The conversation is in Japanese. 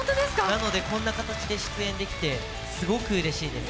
なので、こんな形で出演できてすごくうれしいです！